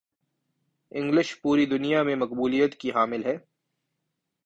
English پوری دنیا میں مقبولیت کی حامل ہے